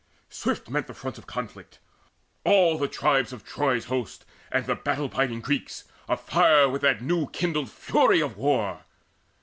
Swift met the fronts of conflict: all the tribes Of Troy's host, and the battle biding Greeks, Afire with that new kindled fury of war.